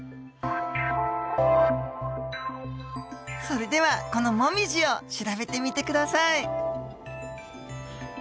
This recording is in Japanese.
それではこのモミジを調べてみて下さい。